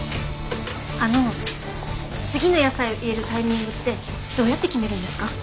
あの次の野菜を入れるタイミングってどうやって決めるんですか？